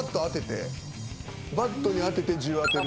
バットに当てて１０当てる。